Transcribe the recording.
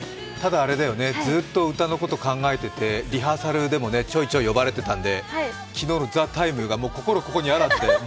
でもずっと歌のこと考えててリハーサルでも、ちょいちょい呼ばれてたんで昨日の「ＴＨＥＴＩＭＥ，」がもう、心ここにあらずで。